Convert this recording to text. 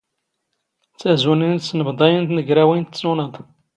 ⵜⴰⵣⵓⵏⵉ ⵏ ⵜⵙⵏⴱⴹⴰⵢ ⵏ ⵜⵏⴳⵔⴰⵡⵉⵏ ⴷ ⵜⵙⵓⵏⴰⴹ.